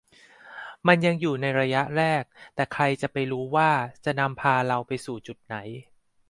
มันยังอยู่ในระยะแรก แต่ใครจะไปรู้ว่าจะนำพาเราไปสู่จุดไหน